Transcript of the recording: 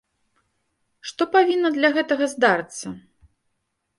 Што павінна для гэтага здарыцца?